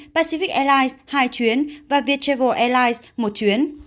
pacific airlines hai chuyến và viettravel airlines một chuyến